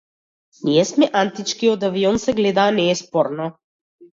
Ние сме антички, од авион се гледа, не е спорно.